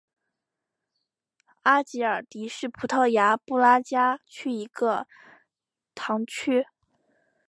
阿吉尔迪是葡萄牙布拉加区的一个堂区。